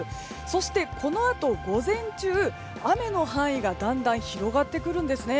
そして、このあと午前中、雨の範囲がだんだん広がってくるんです。